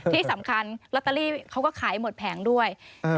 ที่สำคัญลอตเตอรี่เขาก็ขายหมดแผงด้วย